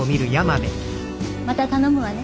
また頼むわね。